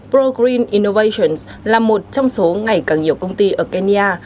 pro green innovations là một trong số ngày càng nhiều công ty ở kenya